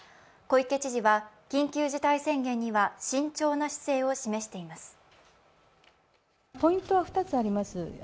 小池知事は緊急事態宣言には慎重な姿勢を示しています。